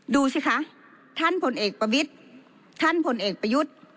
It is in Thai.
ดูสิคะท่านผลเอกประวิทย์ท่านผลเอกประยุทธ์